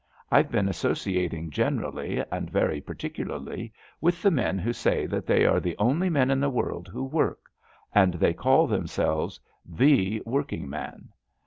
IVe been associating generally and very particularly with the men who say that they are the only men in the world who work — and they call themselves the workingman.